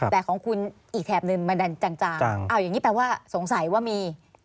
แต่ของคุณอีกแถบนึงมันดันจางเอาอย่างนี้แปลว่าสงสัยว่ามี